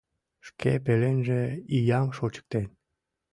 Шке пеленже иям шочыктен.